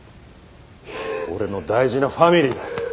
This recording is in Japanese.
俺の大事なファミリーだよ。